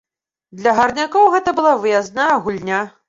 Для гарнякоў гэта была выязная гульня.